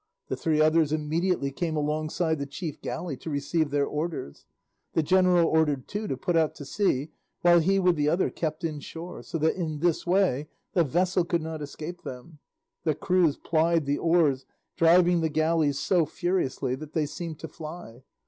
The three others immediately came alongside the chief galley to receive their orders. The general ordered two to put out to sea while he with the other kept in shore, so that in this way the vessel could not escape them. The crews plied the oars driving the galleys so furiously that they seemed to fly.